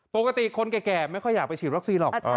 ปกติคนแก่ไม่ค่อยอยากไปฉีดวัคซีนหรอก